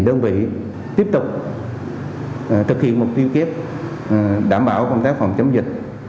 đơn vị tiếp tục thực hiện mục tiêu kép đảm bảo công tác phòng chống dịch